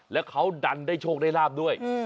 แล้วเขาดันได้โชคได้ลาบด้วย